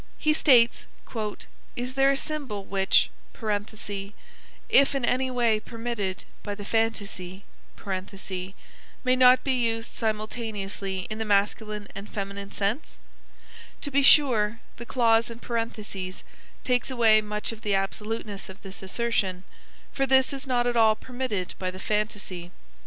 He states: "Is there a symbol which (if in any way permitted by the phantasy) may not be used simultaneously in the masculine and the feminine sense!" To be sure the clause in parentheses takes away much of the absoluteness of this assertion, for this is not at all permitted by the phantasy.